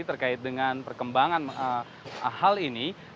terkait dengan perkembangan hal ini